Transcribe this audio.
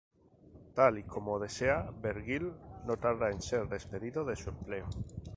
Tal y como lo desea, Vergil no tarda en ser despedido de su empleo.